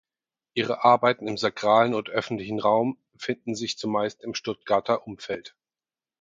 Ihre Arbeiten im sakralen und öffentlichen Raum finden sich zumeist im Stuttgarter Umfeld.